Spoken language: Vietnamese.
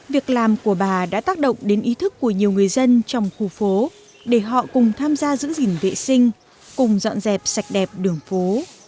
việc làm của bà đã tác động đến ý thức của nhiều người dân trong khu phố để họ cùng tham gia giữ gìn vệ sinh cùng dọn dẹp sạch đẹp đường phố